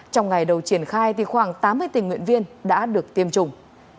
trong ngày đầu triển khai khoảng tám mươi tình nguyện viên đã được tiêm chủng